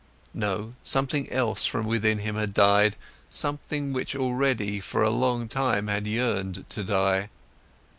No, something else from within him had died, something which already for a long time had yearned to die.